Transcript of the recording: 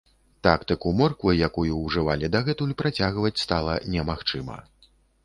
Тактыку морквы, якую ўжывалі дагэтуль, працягваць стала немагчыма.